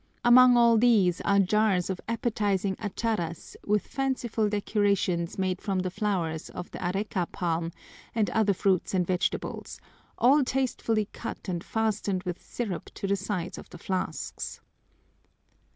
Among all these are jars of appetizing acharas with fanciful decorations made from the flowers of the areca palm and other fruits and vegetables, all tastefully cut and fastened with sirup to the sides of the flasks.